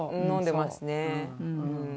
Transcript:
飲んでますね。